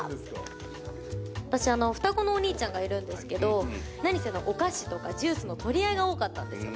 私、双子のお兄ちゃんがいるんですけど、何せお菓子とかジュースの取り合いが多かったんですね。